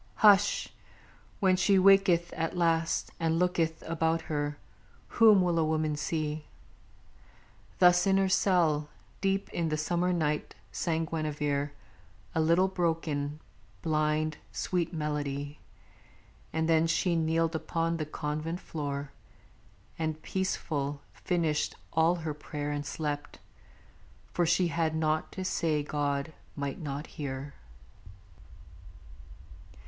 Hush! When she waketh at last and looketh about her, Whom will a woman see?_ Thus in her cell, Deep in the summer night, sang Guinevere A little, broken, blind, sweet melody And then she kneeled upon the convent floor, And, peaceful, finished all her prayer and slept; For she had naught to say God might not hear.